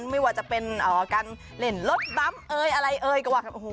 ไม่ว่าจะเป็นการเล่นรถบั้ม